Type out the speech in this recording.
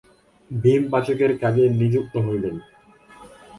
ভীম পাচকের কাজে নিযুক্ত হইলেন।